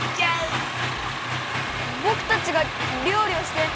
ぼくたちがりょうりをして。